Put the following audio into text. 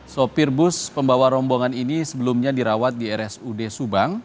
sopir bus pembawa rombongan ini sebelumnya dirawat di rsud subang